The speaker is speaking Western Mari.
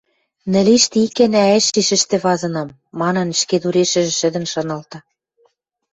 «Нӹл иштӹ ик гӓнӓ ӓшешӹштӹ вазынам», — манын, ӹшкедурешӹжӹ шӹдӹн шаналта.